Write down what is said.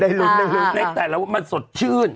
แต่แล้วมันสดชื่น